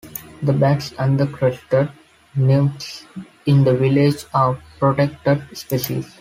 The bats and the Crested Newts in the village are protected species.